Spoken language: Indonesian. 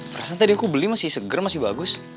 perasaan tadi aku beli masih segar masih bagus